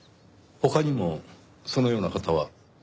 他にもそのような方は？